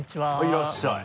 いらっしゃい。